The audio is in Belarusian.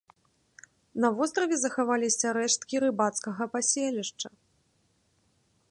На востраве захаваліся рэшткі рыбацкага паселішча.